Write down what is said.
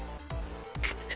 くっ。